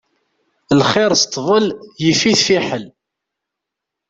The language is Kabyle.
Lxiṛ s ṭṭbel, yif-it fiḥel.